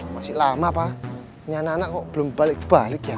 masih lama pak nyana kok belum balik balik ya